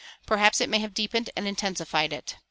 Perhaps it may have deepened and intensified it.